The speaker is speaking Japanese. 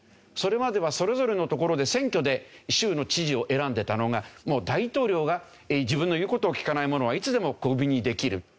それまではそれぞれの所で選挙で州の知事を選んでたのがもう大統領が自分の言う事を聞かない者はいつでもクビにできる。